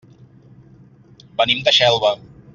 Venim de Xelva.